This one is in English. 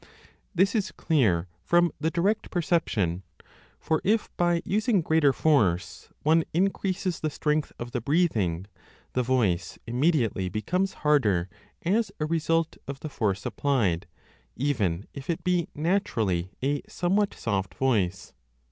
This is 20 clear from the direct perception ; for, if by using greater force one increases the strength of the breathing, the voice immediately becomes harder as a result of the force applied, even if it be naturally a somewhat soft voice.